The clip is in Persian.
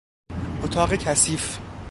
اتاق کثیف